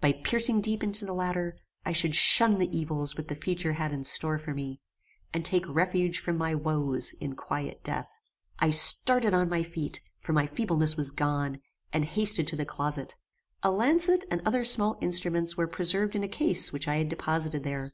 By piercing deep into the latter, I should shun the evils which the future had in store for me, and take refuge from my woes in quiet death. I started on my feet, for my feebleness was gone, and hasted to the closet. A lancet and other small instruments were preserved in a case which I had deposited here.